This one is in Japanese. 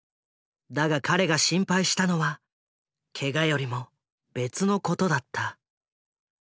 だが彼が心配したのはケガよりも別のことだった。